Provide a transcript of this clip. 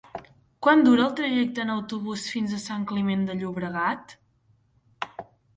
Quant dura el trajecte en autobús fins a Sant Climent de Llobregat?